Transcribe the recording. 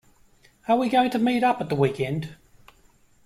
Are we going to meet up at the weekend?